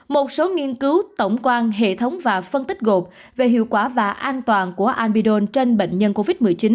một số nghiên cứu tổng quan hệ thống và phân tích gột về hiệu quả và an toàn của amidon trên bệnh nhân covid một mươi chín